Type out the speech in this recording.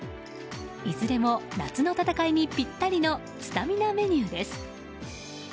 いずれも夏の戦いにぴったりのスタミナメニューです。